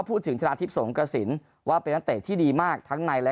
ชนะทิพย์สงกระสินว่าเป็นนักเตะที่ดีมากทั้งในและ